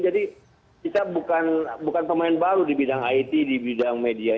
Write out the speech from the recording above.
jadi kita bukan pemain baru di bidang it di bidang media